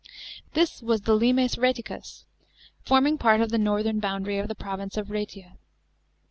This was the limes Kxticus, forming part ot the northern boundary of the province of Rgetia.